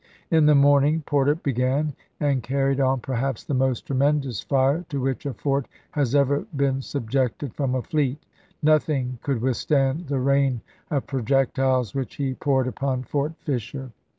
In the morning coi.wiiiiam Porter began and carried on perhaps the most •Southern tremendous fire to which a fort has ever been sub society) jected from a fleet. Nothing could withstand the voi. x!, rain of projectiles which he poured upon Fort Fisher.